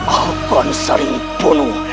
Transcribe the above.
aku akan membunuh